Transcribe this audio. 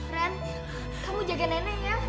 ren kamu jaga nenek ya